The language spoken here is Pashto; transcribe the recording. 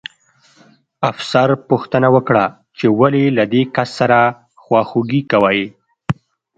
افسر پوښتنه وکړه چې ولې له دې کس سره خواخوږي کوئ